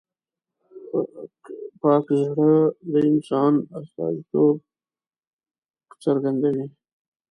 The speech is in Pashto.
پاک زړه د انسان سترتوب څرګندوي.